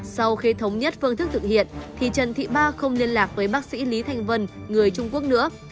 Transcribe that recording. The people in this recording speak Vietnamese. sau khi thống nhất phương thức thực hiện thì trần thị ba không liên lạc với bác sĩ lý thành vân người trung quốc nữa